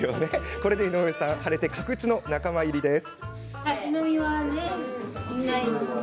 これで井上さん晴れて角打ちの仲間入りです。